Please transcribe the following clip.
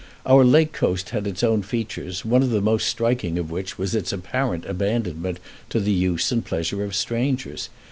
Our lake coast had its own features, one of the most striking of which was its apparent abandonment to the use and pleasure of strangers.